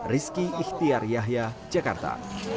rizky ihtiar yahya jakarta